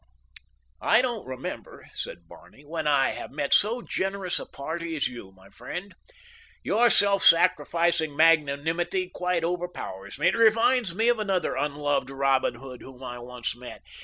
"I don't remember," said Barney, "when I have met so generous a party as you, my friend. Your self sacrificing magnanimity quite overpowers me. It reminds me of another unloved Robin Hood whom I once met.